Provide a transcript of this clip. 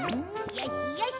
よしよし。